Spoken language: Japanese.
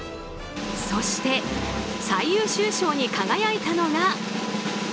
そして、最優秀賞に輝いたのが。